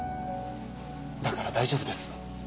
だから大丈夫です。